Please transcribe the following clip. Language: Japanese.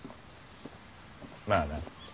まあな。